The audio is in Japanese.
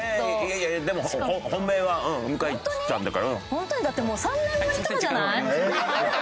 本当に？だってもう３年ぶりとかじゃない？